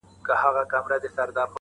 خپل جانان ته وايي